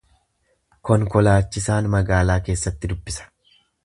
Konkolaachisaan magaalaa keessatti dubbisa.